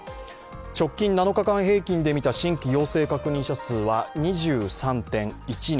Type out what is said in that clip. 直近７日間平均で見た新規陽性確認者数は２３．１人。